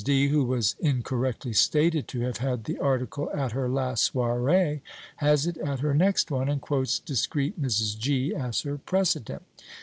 D., who was incorrectly stated to have had the article at her last soirée, has it at her next one, and quotes discreet Mrs. G. as her precedent.